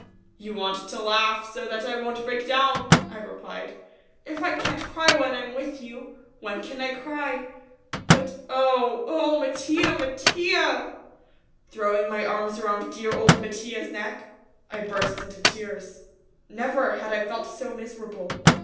"You want to laugh so that I won't break down," I replied. "If I can't cry when I'm with you, when can I cry? But.... Oh ... oh, Mattia, Mattia!" Throwing my arms around dear old Mattia's neck, I burst into tears. Never had I felt so miserable.